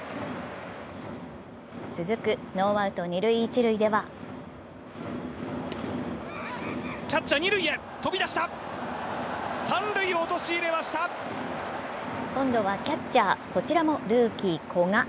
続くノーアウト二塁・一塁では今度はキャッチャー、こちらもルーキー・古賀。